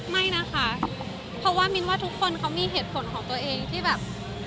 ไม่นะคะเพราะว่ามินว่าทุกคนเขามีเหตุผลของตัวเองที่แบบ